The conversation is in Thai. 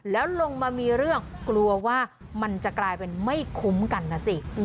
แล้วลงมามีเรื่องกลัวว่ามันจะกลายเป็นไม่คุ้มกันนะสิ